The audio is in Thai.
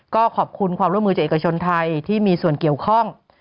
ก็ขอบคุณความร่วมมือจากเอกชนไทยที่มีส่วนเกี่ยวข้อง